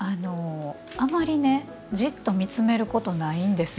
あまりじっと見つめることないんです。